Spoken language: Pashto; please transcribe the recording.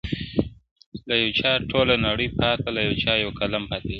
• له چا ټوله نړۍ پاته له چا یو قلم پاتیږي -